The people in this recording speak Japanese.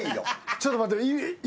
ちょっと待ってヤバッ。